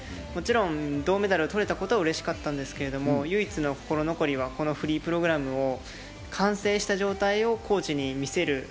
もちろん銅メダルを取れたことはうれしかったんですけど唯一の心残りはこのフリープログラムを完成した状態をコーチに見せる。